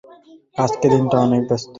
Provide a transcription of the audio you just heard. আজকের দিনটা অনেক ব্যস্তময় ছিল।